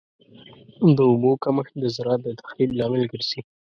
د اوبو کمښت د زراعت د تخریب لامل ګرځي.